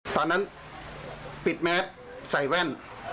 ตอนนั้นปิดแมสใส่แว่น